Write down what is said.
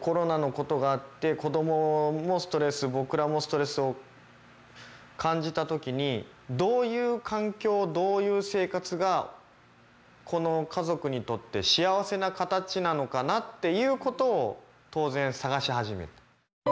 コロナのことがあって子どももストレス僕らもストレスを感じたときにどういう環境どういう生活がこの家族にとって幸せな形なのかなっていうことを当然探し始めた。